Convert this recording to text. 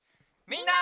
みんな！